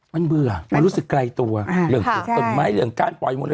มันเบื่อมันรู้สึกไกลตัวเรื่องกลุ่มตุ๋นไม้เรื่องกล้านปลอยมนตร์